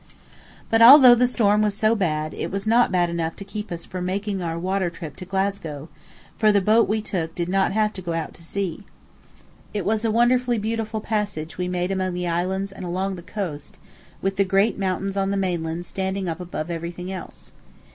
But although the storm was so bad, it was not bad enough to keep us from making our water trip to Glasgow, for the boat we took did not have to go out to sea. It was a wonderfully beautiful passage we made among the islands and along the coast, with the great mountains on the mainland standing up above everything else.